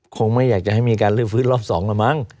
คงไม่อยากจะให้มีการลื้อฟื้นรอบ๒แล้วมั้ง